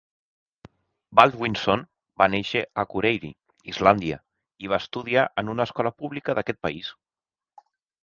Baldwinson va néixer a Akureyri, Islàndia, i va estudiar en una escola pública d'aquest país.